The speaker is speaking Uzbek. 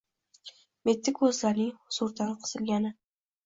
Mitti ko‘zlarining huzurdan qisilgani